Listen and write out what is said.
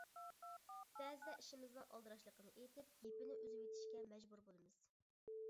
بەزىدە ئىشىمىزنىڭ ئالدىراشلىقىنى ئېيتىپ گېپىنى ئۈزۈۋېتىشكە مەجبۇر بولىمىز.